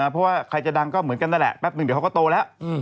เพราะว่าใครจะดังก็เหมือนกันนั่นแหละแป๊บนึงเดี๋ยวเขาก็โตแล้ว